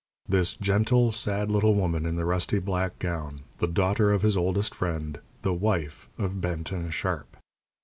This gentle, sad little woman, in the rusty black gown, the daughter of his oldest friend, the wife of Benton Sharp!